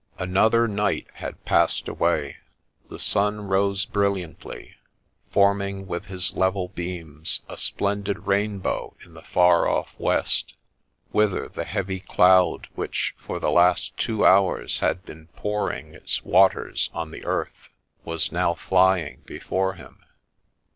Another night had passed away ; the sun rose brilliantly, forming with his level beams a splendid rainbow in the far off west, whither the heavy cloud, which for the last two hours had been pouring its waters on the earth, was now flying before him.